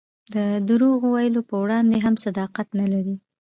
د درواغ ویلو په وړاندې هم صداقت نه لري.